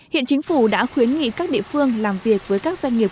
hiện chính phủ đã khuyến nghị các địa phương làm việc với các doanh nghiệp